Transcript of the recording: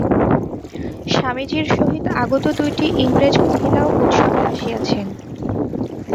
স্বামীজীর সহিত আগত দুইটি ইংরেজ মহিলাও উৎসবে আসিয়াছেন।